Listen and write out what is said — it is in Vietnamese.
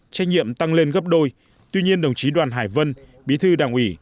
trách nhiệm tăng lên gấp đôi tuy nhiên đồng chí đoàn hải vân bí thư đảng ủy